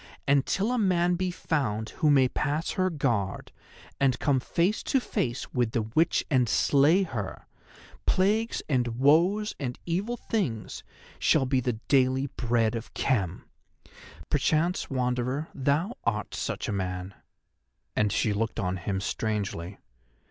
And till a man be found who may pass her guard, and come face to face with the witch and slay her, plagues and woes and evil things shall be the daily bread of Khem. Perchance, Wanderer, thou art such a man," and she looked on him strangely.